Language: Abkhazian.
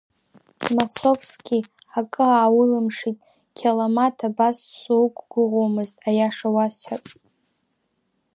Масовски акы ааулымшеит, Қьаламаҭ, абас суқәгәыӷуамызт, аиаша уасҳәап.